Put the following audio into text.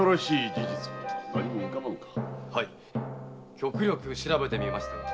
極力調べてみましたが。